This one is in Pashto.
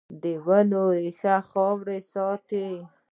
د ونو ریښې خاوره ساتي